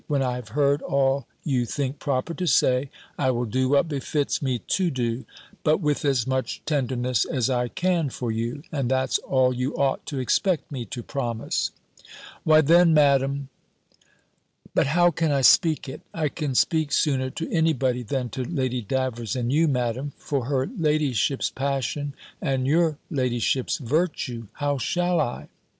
When I have heard all you think proper to say, I will do what befits me to do; but with as much tenderness as I can for you and that's all you ought to expect me to promise." "Why then, Madam But how can I speak it? I can speak sooner to any body, than to Lady Davers and you, Madam: for her ladyship's passion, and your ladyship's virtue How shall I?"